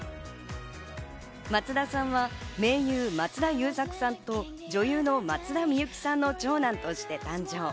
松田さんは名優・松田優作さんと女優の松田美由紀さんの長男として誕生。